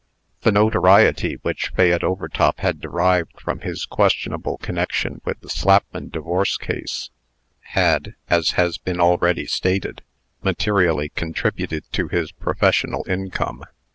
The notoriety which Fayette Overtop had derived from his questionable connection with the Slapman Divorce case, had (as has been already stated) materially contributed to his professional income.